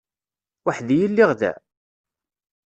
Weḥd-i i lliɣ da?